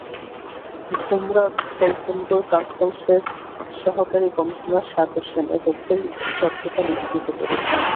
ভোমরা স্থলবন্দর কাস্টমসের সহকারী কমিশনার সাগর সেন এ তথ্যের সত্যতা নিশ্চিত করেছেন।